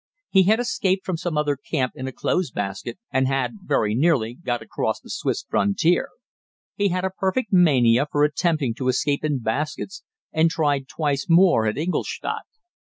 He had escaped from some other camp in a clothes basket, and had very nearly got across the Swiss frontier. He had a perfect mania for attempting to escape in baskets, and tried twice more at Ingolstadt.